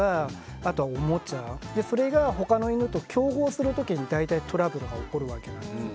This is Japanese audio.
あとはおもちゃそれがほかの犬と競合する時に大体トラブルが起こるわけなんです。